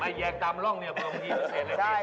ไม้แยงตามร่องเนี่ยเบอร์มีนเสร็จเลย